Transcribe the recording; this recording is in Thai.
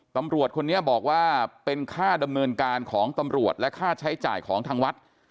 ตำรวจคนนี้บอกว่าเป็นค่าดำเนินการของตำรวจและค่าใช้จ่ายของทางวัด